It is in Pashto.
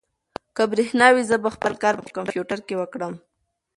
که برېښنا وي، زه به خپل کار په کمپیوټر کې وکړم.